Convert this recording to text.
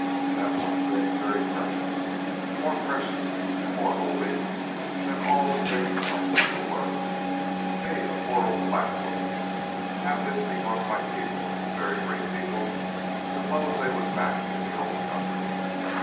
That one thing very precious, more precious and more holy than all thing else in the world. Me, a poor old black woman, have this because my people, very great people, 'spose they was back in the old country.